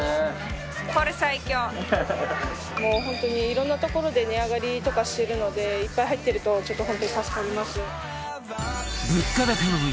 もう本当にいろんなところで値上がりとかしてるのでいっぱい入ってるとちょっと本当に助かります。